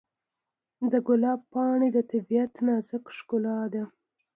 د ګلاب پاڼې د طبیعت نازک ښکلا ده.